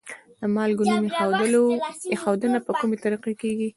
د مالګو نوم ایښودنه په کومې طریقې کیږي؟